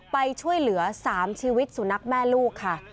ไปช่วยเหลือ๓ชีวิตสุนัขแม่ลูกค่ะ